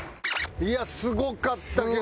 いやすごかったけど。